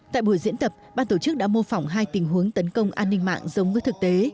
tại buổi diễn tập ban tổ chức đã mô phỏng hai tình huống tấn công an ninh mạng giống với thực tế